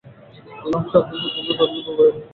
আল্লাহ সাত দিন পর্যন্ত তাদের উপর বায়ু প্রবাহ বন্ধ রাখেন।